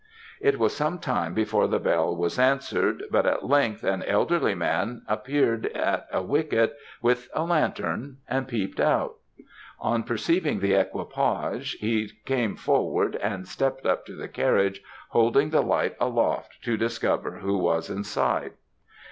"It was some time before the bell was answered, but at length an elderly man appeared at a wicket, with a lantern, and peeped out. On perceiving the equipage, he came forward and stept up to the carriage, holding the light aloft to discover who was inside.